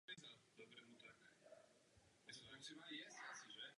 Případ vzbudil značnou pozornost.